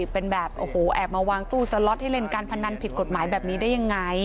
เป็นแบบโอ้โหแอบมาวางตู้สล็อตให้เล่นการพนันผิดกฎหมายแบบนี้ได้ยังไง